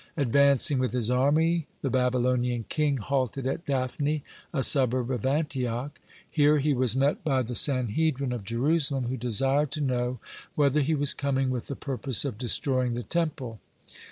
Advancing with his army, the Babylonian king halted at Daphne, a suburb of Antioch. Here he was met by the Sanhedrin of Jerusalem, who desired to know whether he was coming with the purpose of destroying the Temple.